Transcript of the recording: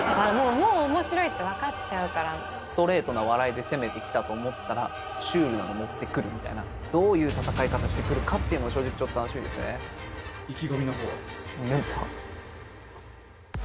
もう、おもしろいって分かっちゃストレートな笑いで攻めてきたと思ったら、シュールなの持ってくるみたいな、どういう戦い方してくるかっていうのが、正直、ちょっと楽しみで意気込みのほうは。